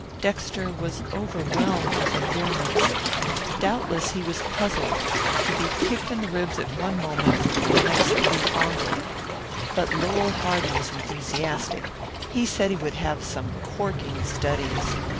Dexter was overwhelmed with endearments. Doubtless he was puzzled to be kicked in the ribs at one moment, the next to be fondled. But Lowell Hardy was enthusiastic. He said he would have some corking studies.